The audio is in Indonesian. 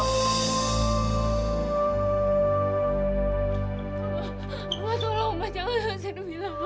mbak tolong mbak jangan lakukan seberapa lama